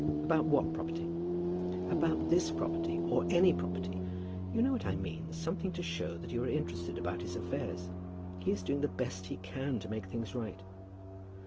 "About what property?" "About this property, or any property; you know what I mean; something to show that you are interested about his affairs. He is doing the best he can to make things right."